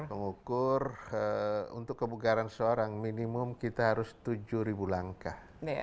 mengukur untuk kebugaran seorang minimum kita harus tujuh langkah